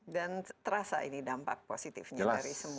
dan terasa ini dampak positifnya dari semua